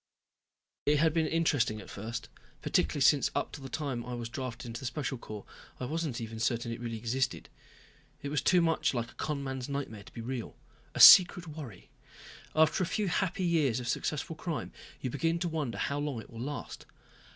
It had been interesting at first. Particularly since up until the time I was drafted into the Special Corps I wasn't even certain it really existed. It was too much like a con man's nightmare to be real. A secret worry. After a few happy years of successful crime you begin to wonder how long it will last.